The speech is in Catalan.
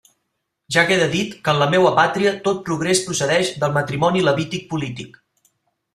Ja queda dit que en la meua pàtria tot progrés procedeix del matrimoni levític polític.